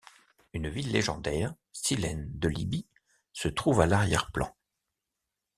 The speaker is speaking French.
Une ville légendaire, Silène de Libye, se trouve à l'arrière-plan.